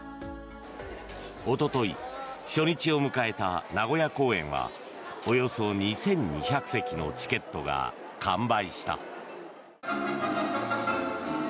おととい初日を迎えた名古屋公演はおよそ２２００席のチケットが完売した。